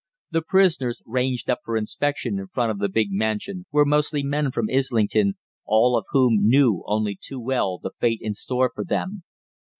The prisoners, ranged up for inspection in front of the big mansion, were mostly men from Islington, all of whom knew only too well the fate in store for them.